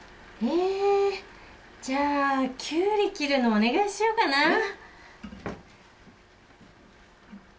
えじゃあキュウリ切るのお願いしようかな。